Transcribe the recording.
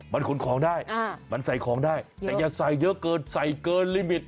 มันขนของได้มันใส่ของได้แต่อย่าใส่เยอะเกินใส่เกินลิมิต